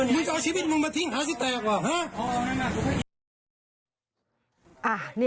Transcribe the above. มึงจะเอาชีวิตปุ๋งมาคาดติ้งตาก่อน